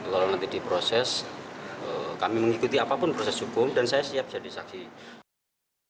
kalau nanti diproses kami mengikuti apapun proses hukum dan saya siap jadi saksi